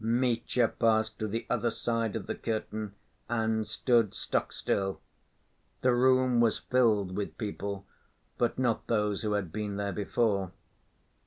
Mitya passed to the other side of the curtain and stood stock still. The room was filled with people, but not those who had been there before.